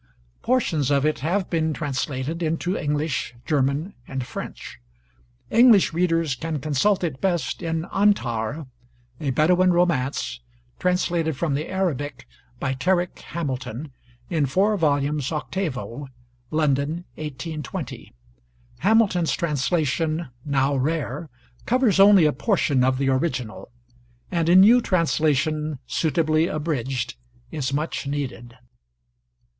Portions of it have been translated into English, German, and French. English readers can consult it best in 'Antar,' a Bedouin romance, translated from the Arabic by Terrick Hamilton, in four volumes 8vo (London, 1820). Hamilton's translation, now rare, covers only a portion of the original; and a new translation, suitably abridged, is much needed.